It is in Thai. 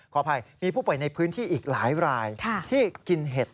ขออภัยมีผู้ป่วยในพื้นที่อีกหลายรายที่กินเห็ด